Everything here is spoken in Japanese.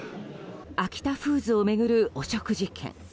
アキタフーズを巡る汚職事件。